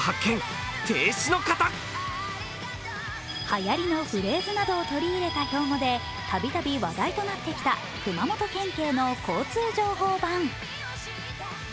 はやりのフレーズなどを取り入れた標語で度々話題となってきた熊本県警の交通情報板。